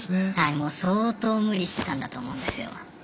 もう相当無理してたんだと思うんですよ。